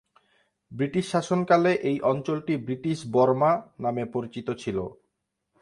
British শাসনকালে এই অঞ্চলটি "ব্রিটিশ বর্মা" নামে পরিচিত ছিলো।